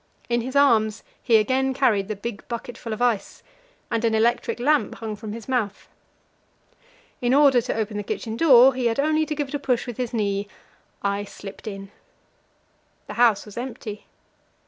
In his arms he again carried the big bucket full of ice, and an electric lamp hung from his mouth. In order to open the kitchen door, he had only to give it a push with his knee; I slipped in. The house was empty.